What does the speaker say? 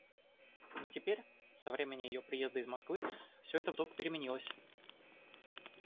Но теперь, со времени ее приезда из Москвы, всё это вдруг переменилось.